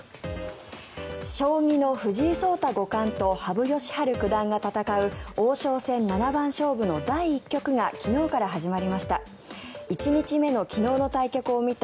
将棋の藤井聡太五冠と羽生善治九段が戦う王将戦七番勝負の第１局が昨日から始まりました。